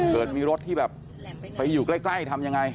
เกิดมีรถที่แบบไปอยู่ใกล้ทำยังไง